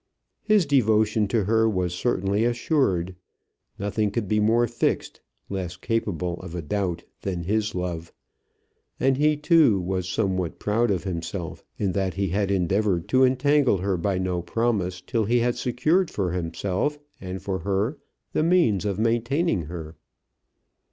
His devotion to her was certainly assured. Nothing could be more fixed, less capable of a doubt, than his love. And he, too, was somewhat proud of himself in that he had endeavoured to entangle her by no promise till he had secured for himself and for her the means of maintaining her.